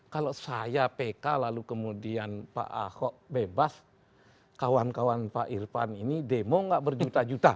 kalau saya pk lalu kemudian pak ahok bebas kawan kawan pak irfan ini demo nggak berjuta juta